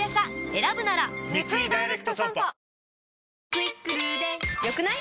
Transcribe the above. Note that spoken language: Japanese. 「『クイックル』で良くない？」